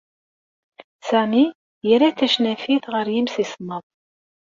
Sami yerra tacnafit ɣer yimsismeḍ.